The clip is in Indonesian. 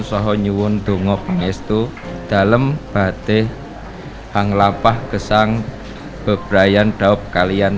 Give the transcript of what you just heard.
soho nyewon dongo pengestu dalam batik hanglapah gesang bebraian daup kalian